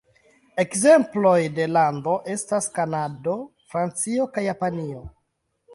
Ekzemploj de lando estas Kanado, Francio, kaj Japanio.